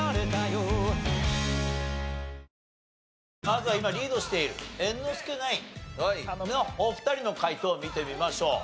まずは今リードしている猿之助ナインのお二人の解答を見てみましょう。